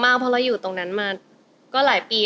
เพราะเราอยู่ตรงนั้นมาก็หลายปี